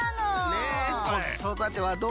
ねえこそだてはどう？